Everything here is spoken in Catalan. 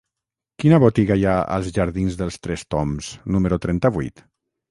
Quina botiga hi ha als jardins dels Tres Tombs número trenta-vuit?